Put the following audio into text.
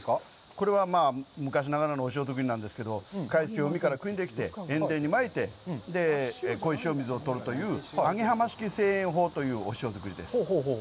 これは、昔ながらのお塩なんですけど、海水を海からくんできて、塩田にまいて、こういう塩水を取るという揚げ浜式製塩法というお塩作りです。